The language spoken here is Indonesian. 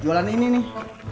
jualan ini nih